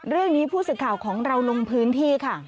เรื่องนี้ผู้สึกข่าวของเราลงพื้นที่ค่ะ